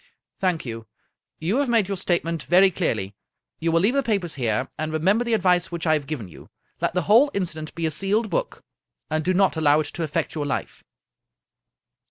" Thank you. You have made your statement very clearly. You will leave the papers here, and remember the advice which I have given you Let the whole inci dent be a sealed book, and do not allow it to affect your life."